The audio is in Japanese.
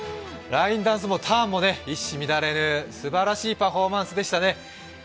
ラインダンスもターンも一糸乱れぬ、すばらしいパフォーマンスでしたね。